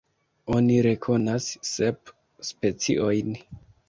Oni rekonas sep speciojn.